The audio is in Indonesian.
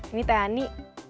ini teh ani